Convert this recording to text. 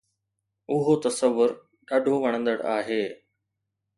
اهو تصور ڏاڍو وڻندڙ آهي